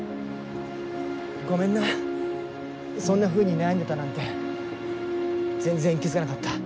ごめんなそんなふうに悩んでたなんて全然気付かなかった。